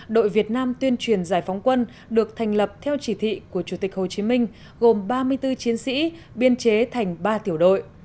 đội việt nam tuyên truyền giải phóng quân được thành lập theo chỉ thị của chủ tịch hồ chí minh gồm ba mươi bốn chiến sĩ biên chế thành ba tiểu đội